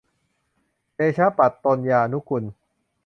เดชะปัตตนยานุกูล